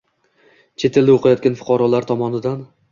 Chet elda o‘qiyotgan fuqarolar tomonidan